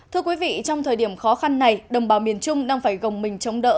thưa quý vị trong thời điểm khó khăn này đồng bào miền trung đang phải gồng mình chống đỡ